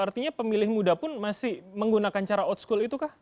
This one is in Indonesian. artinya pemilih muda pun masih menggunakan cara out school itu kah